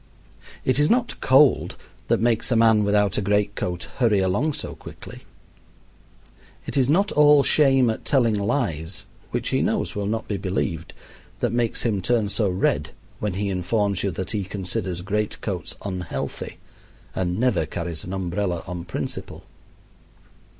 It is not cold that makes a man without a great coat hurry along so quickly. It is not all shame at telling lies which he knows will not be believed that makes him turn so red when he informs you that he considers great coats unhealthy and never carries an umbrella on principle.